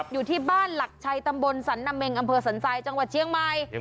อยู่ที่บ้านหลักชัยตำบลสันนาเมงอำเภอสันทรายจังหวัดเชียงใหม่